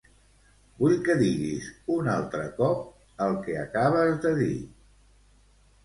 Vull que diguis un altre cop el que acabes de dir.